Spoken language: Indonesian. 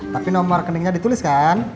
tapi nomor rekeningnya ditulis kan